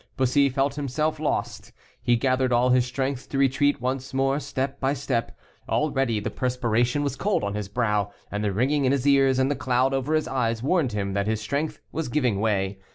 Bussy felt himself lost. He gathered all his strength to retreat once more step by step. Already the perspiration was cold on his brow, and the ringing in his ears and the cloud over his eyes warned him that his strength was giving way.